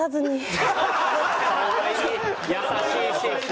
優しいし。